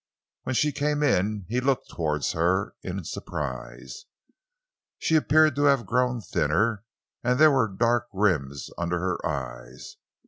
When she came in, he looked towards her in surprise. She appeared to have grown thinner, and there were dark rims under her eyes.